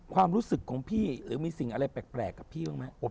ความรู้สึกของพี่หรือมีสิ่งอะไรแปลกกับพี่บ้างไหม